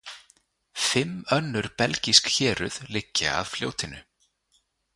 Fimm önnur belgísk héruð liggja að fljótinu.